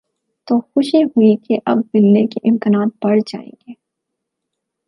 تو خوشی ہوئی کہ اب ملنے کے امکانات بڑھ جائیں گے۔